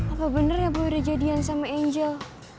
apa bener ya boy udah jadian sama angel